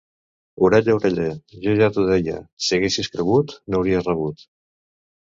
Orella, orella, jo ja t'ho deia! Si haguessis cregut no hauries rebut.